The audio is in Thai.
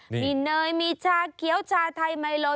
มีเนยมีชาเขียวชาไทยไมโล